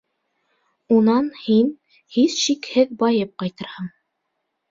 Унан һин, һис шикһеҙ, байып ҡайтырһың.